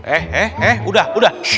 eh eh udah udah